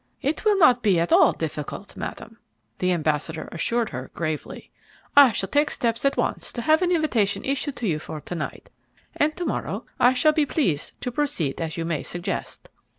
"It will not be at all difficult, Madam," the ambassador assured her gravely. "I shall take steps at once to have an invitation issued to you for to night; and to morrow I shall be pleased to proceed as you may suggest."